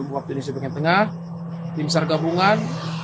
delapan belas empat puluh delapan waktu indonesia pengen tengah tim sargabungan